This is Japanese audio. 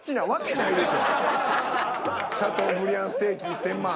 シャトーブリアンステーキ１，０００万。